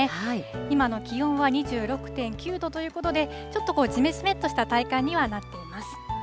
今の気温は２６．９度ということで、ちょっとこう、じめじめっとした体感にはなっています。